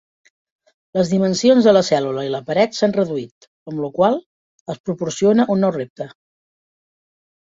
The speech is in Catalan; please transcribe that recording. Les dimensions de la cèl·lula i la paret s'han reduït, amb lo qual es proporciona un nou repte.